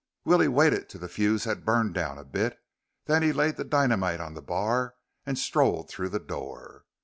Willie waited till the fuse had burned down a bit; then he laid the dynamite on the bar and strolled through the door.